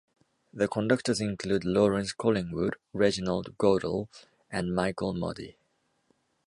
The conductors include Lawrance Collingwood, Reginald Goodall and Michael Mudie.